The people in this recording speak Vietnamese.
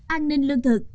an ninh lương thực